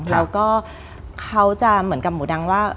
แล้วก็เขาจะเหมือนกับหมูดังว่า